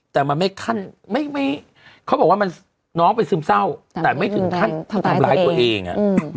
แต่มันไม่ขั้นไม่เขาบอกว่าน้องเป็นซึมเศร้าแต่ไม่ถึงขั้นทำร้ายตัวเอง